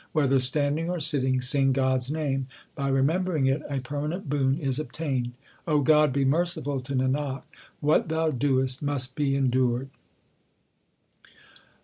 Whether standing or sitting sing God s name : By remembering it a permanent boon is obtained. God be merciful to Nanak ; what Thou doest must be endured.